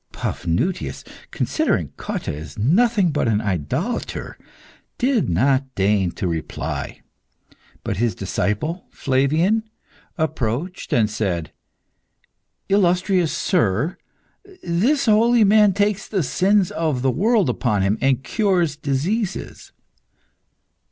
Paphnutius, considering Cotta as nothing but an idolater, did not deign to reply. But his disciple, Flavian, approached, and said "Illustrious Sir, this holy man takes the sins of the world upon him, and cures diseases."